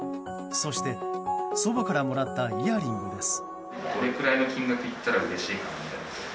そして祖母からもらったイヤリングです。